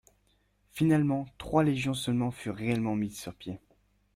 Finalement trois légions seulement furent réellement mises sur pied.